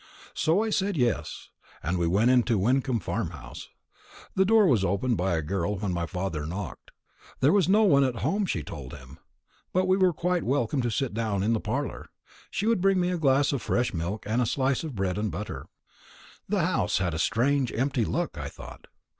So I said yes, and we went into Wyncomb Farmhouse. The door was opened by a girl when my father knocked. There was no one at home, she told him; but we were quite welcome to sit down in the parlour, and she would bring me a glass of fresh milk and a slice of bread and butter. "The house had a strange empty look, I thought.